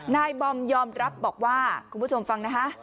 นายบอมยอมรับบอกว่าคุณผู้ชมฟังนะคะ